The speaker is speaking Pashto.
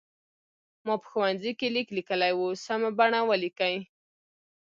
ما په ښوونځي کې لیک لیکلی و سمه بڼه ولیکئ.